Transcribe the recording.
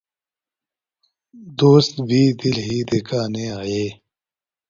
دوست بھی دل ہی دکھانے آئے